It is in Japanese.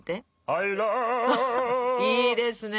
「たいら」いいですね！